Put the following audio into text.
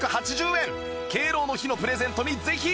敬老の日のプレゼントにぜひ！